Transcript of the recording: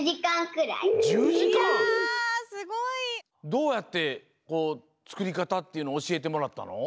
どうやってこうつくりかたっていうのおしえてもらったの？